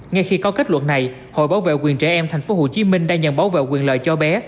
ngay khi có kết luận này hội bảo vệ quyền trẻ em tp hcm đã nhận bảo vệ quyền lợi cho bé